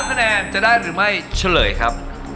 ๓แสงจะได้หรือไม่ฉลยครับ